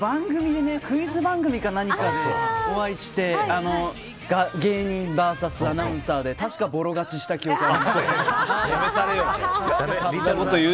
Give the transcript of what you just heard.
クイズ番組か何かでお会いして芸人ＶＳアナウンサーで確かボロ勝ちした記憶があります。